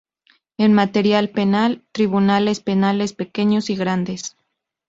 En materia penal, tribunales penales pequeños y grandes.